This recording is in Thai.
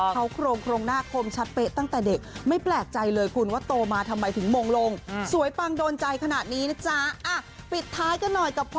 เขาโครงหน้าคมชัดเป๊ะตั้งแต่เด็ก